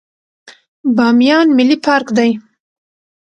بامیان ملي پارک دی